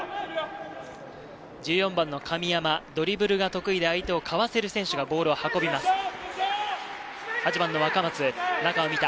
１４番の神山、ドリブルが得意で、相手をかわせる選手がボールを運びます。